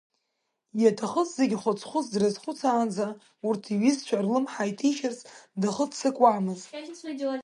Иаҭахыз зегьы хәыц-хәыц дрызхәыцаанӡа, урҭ, иҩызцәа, рлымҳа иҭишьырц дахыццакуамызт.